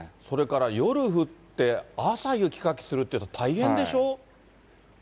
それから夜降って、朝雪かきするっていうの、大変でしょう？